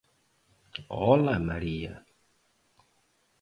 Ola, María.